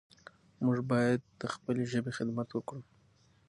موږ باید د خپلې ژبې خدمت وکړو.